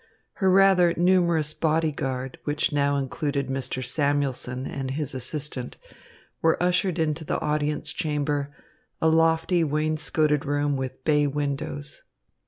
Her rather numerous body guard, which now included Mr. Samuelson and his assistant, were ushered into the audience chamber, a lofty wainscoted room with bay windows.